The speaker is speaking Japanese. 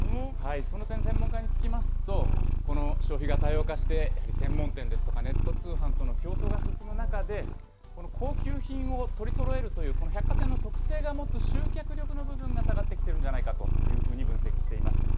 その点、専門家に聞きますと、この消費が多様化して、専門店ですとかネット通販との競争が進む中で、高級品を取りそろえるというこの百貨店の特性が持つ集客力の部分が下がってきてるんじゃないかというふうに分析しています。